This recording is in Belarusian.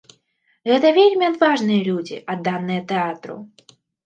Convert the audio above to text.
Гэта вельмі адважныя людзі, адданыя тэатру.